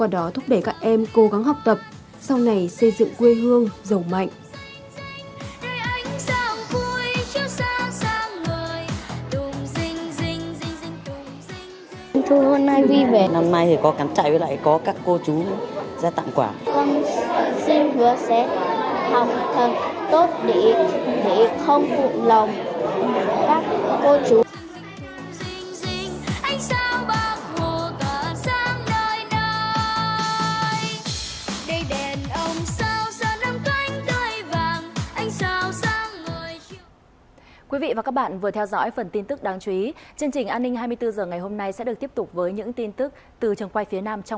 để các em nhỏ có một mùa trung thu trọn vẹn đáng nhớ